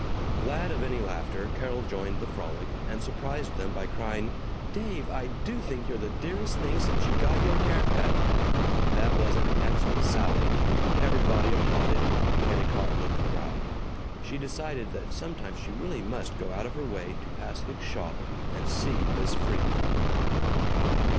Glad of any laughter, Carol joined the frolic, and surprised them by crying, "Dave, I do think you're the dearest thing since you got your hair cut!" That was an excellent sally. Everybody applauded. Kennicott looked proud. She decided that sometime she really must go out of her way to pass Hicks's shop and see this freak.